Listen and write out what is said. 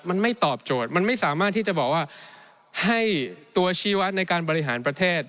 มันไม่ตอบโจทย์มันไม่สามารถที่จะบอกว่าให้ตัวชีวะในการบริหารประเทศ